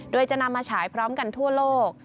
โดยจะนำมาฉายพร้อมกันทั่วโลก